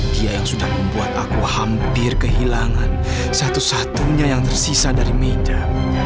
dia yang sudah membuat aku hampir kehilangan satu satunya yang tersisa dari meja